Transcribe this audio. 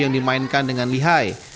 yang dimainkan dengan lihai